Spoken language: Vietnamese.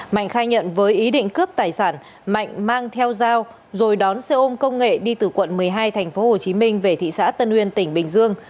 mạnh khai nhận với ý định cướp tài sản mạnh mang theo dao rồi đón xe ôm công nghệ đi từ quận một mươi hai tp hcm về thị xã tân uyên tỉnh bình dương